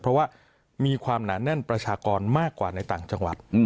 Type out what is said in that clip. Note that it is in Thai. เพราะว่ามีความหนาแน่นประชากรมากกว่าในต่างจังหวัด